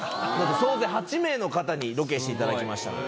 総勢８名の方にロケしていただきましたので。